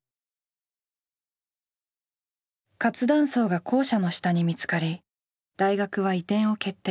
活断層が校舎の下に見つかり大学は移転を決定。